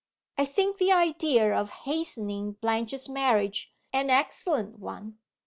I think the idea of hastening Blanche's marriage an excellent one.